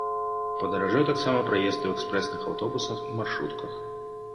Падаражэў таксама праезд у экспрэсных аўтобусах і маршрутках.